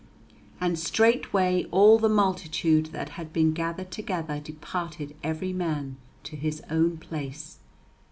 And straightway all the multitude that had been gathered together departed every man to his own place.